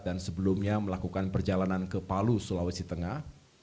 dan sebelumnya melakukan perjalanan ke palu sulawesi tengah